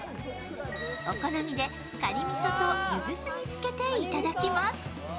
お好みで、かにみそとゆず酢につけていただきます。